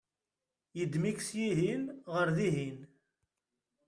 yeddem-ik syihen ɣer dihin